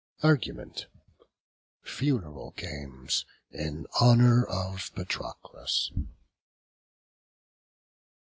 ARGUMENT. FUNERAL GAMES IN HONOUR OF PATROCLUS.